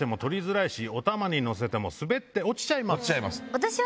私は。